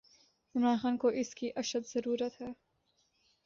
عمران خان کواس کی اشدضرورت ہے۔